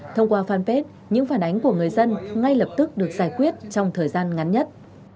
thông qua fanpage những phản ánh của người dân ngay lập tức được giải quyết trong thời gian ngắn nhất